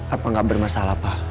apa nggak bermasalah pak